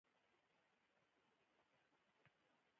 یو دوه تنو پاسپورټونه یې وکتل.